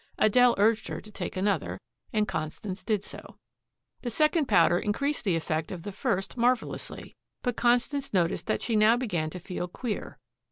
Adele urged her to take another, and Constance did so. The second powder increased the effect of the first marvelously. But Constance noticed that she now began to feel queer.